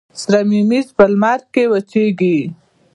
سر ممیز په لمر کې وچیږي.